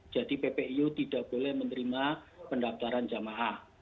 jadi ppu tidak boleh menerima pendaftaran jamaah